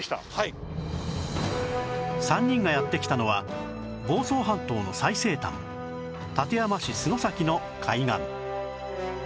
３人がやって来たのは房総半島の最西端館山市洲崎の海岸